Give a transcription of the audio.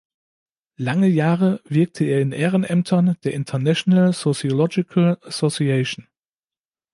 Lange Jahre wirkte er in Ehrenämtern der International Sociological Association.